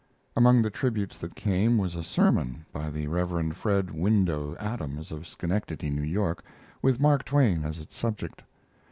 Among the tributes that came, was a sermon by the Rev. Fred Window Adams, of Schenectady, New York, with Mark Twain as its subject.